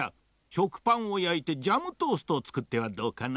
しょくパンをやいてジャムトーストをつくってはどうかな？